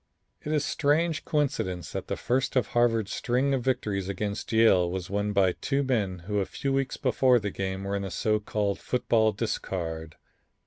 "It is a strange coincidence that the first of Harvard's string of victories against Yale was won by two men who a few weeks before the game were in the so called football discard."